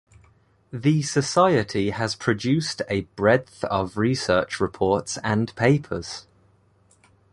The society has produced a breadth of research reports and papers.